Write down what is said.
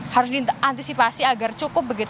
harus diantisipasi agar cukup